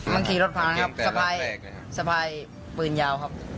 บางทีรถพลานครับสะพายปืนยาวครับ